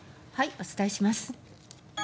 お伝えします。